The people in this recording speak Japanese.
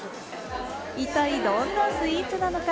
一体どんなスイーツなのか？